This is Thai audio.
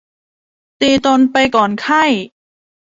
ตีตนไปก่อนไข้